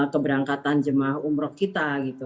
keberangkatan jemaah umrah kita gitu